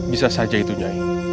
bisa saja itu nyai